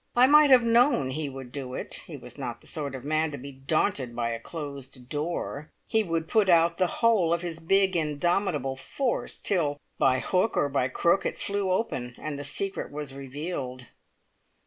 I might have known he would do it! He was not the sort of man to be daunted by a closed door. He would put out the whole of his big, indomitable force, till by hook or by crook it flew open, and the secret was revealed.